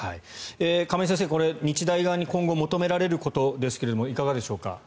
亀井先生、日大側に今後求められることですがいかがでしょうか。